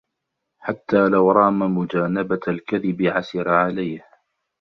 حَتَّى لَوْ رَامَ مُجَانَبَةَ الْكَذِبِ عَسِرَ عَلَيْهِ